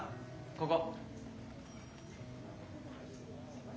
ここ。